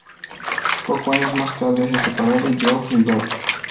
Pocos años más tarde se separó de João Gilberto.